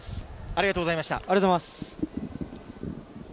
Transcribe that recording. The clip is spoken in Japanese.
ありがとうございます。